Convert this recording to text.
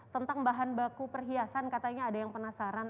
tentang bahan baku perhiasan katanya ada yang penasaran